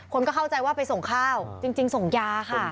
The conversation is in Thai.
คนก็เข้าใจว่าไปส่งข้าวจริงส่งยาค่ะ